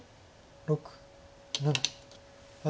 ６７８。